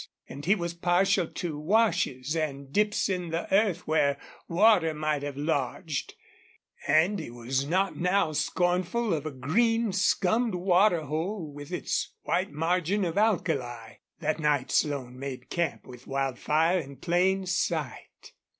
And he was partial to washes and dips in the earth where water might have lodged. And he was not now scornful of a green scummed water hole with its white margin of alkali. That night Slone made camp with Wildfire in plain sight.